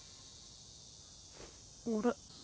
あれ？